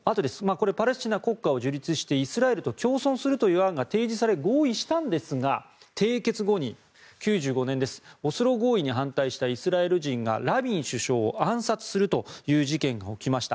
これはパレスチナ国家を樹立してイスラエルと共存するという案が締結され合意したんですが締結後、９５年ですオスロ合意に反対したイスラエル人がラビン首相を暗殺するという事件が起きました。